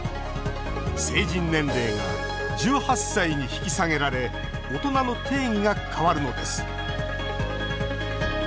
成人年齢が１８歳に引き下げられ大人の定義が変わるのです。